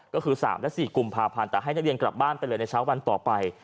ก็คือ๓และ๔กุมภาพันธ์แต่ให้นักเรียนกลับบ้านไปเลยในเช้าวันต่อไป